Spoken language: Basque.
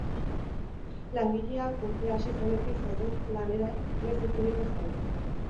Langileak urtea hasi zenetik zeuden lanera noiz itzuliko zain.